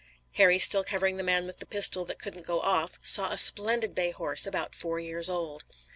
Harry still covering the man with the pistol that couldn't go off, saw a splendid bay horse about four years old.